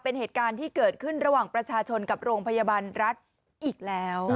เป็นเหตุการณ์ที่เกิดขึ้นระหว่างประชาชนกับโรงพยาบาลรัฐอีกแล้ว